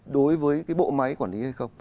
đối với cái bộ máy quản lý hay không